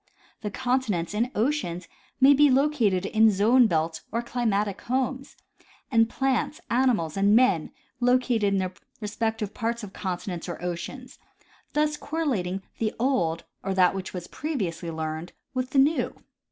The continents and oceans may be located in zone belts or climatic homes, and plants, animals and men located in their respective parts of continents or oceans ; thus correlating the old, or that which was previously learned, with the new.